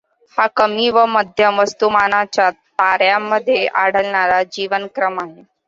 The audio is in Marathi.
हा कमी व मध्यम वस्तूमानाच्या ताऱ्यांमधे आढळणारा जीवनक्रम आहे.